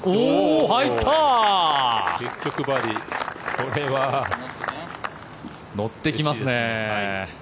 これは乗ってきますね。